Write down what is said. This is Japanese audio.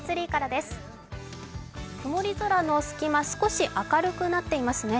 曇り空の隙間、少し明るくなっていますね。